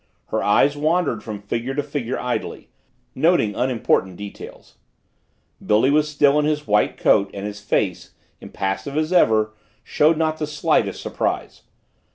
Her eyes wandered from figure to figure idly, noting unimportant details. Billy was still in his white coat and his face, impassive as ever, showed not the slightest surprise.